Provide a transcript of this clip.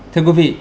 thưa quý vị